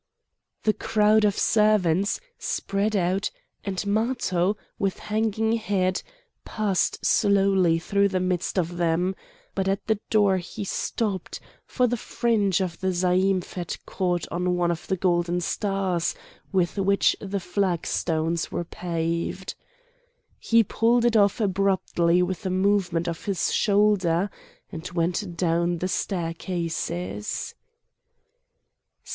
The crowd of servants spread out, and Matho, with hanging head, passed slowly through the midst of them; but at the door he stopped, for the fringe of the zaïmph had caught on one of the golden stars with which the flagstones were paved. He pulled it off abruptly with a movement of his shoulder and went down the staircases.